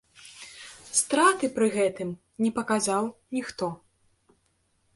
Страты пры гэтым не паказаў ніхто.